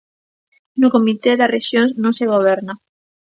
No Comité das Rexións non se goberna.